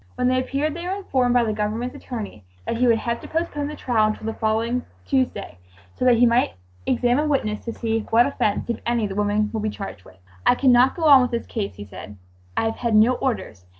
When they appeared they were informed by the Government's attorney that he would have to postpone the trial until the following Tuesday so that he might examine witnesses to see "what offense, if any, the women would be charged with." "I cannot go on with this case," he said, "I have had no orders.